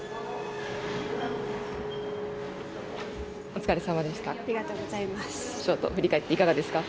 お疲れ様でした。